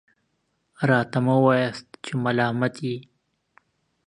راته مه وایاست چې ملامت یې .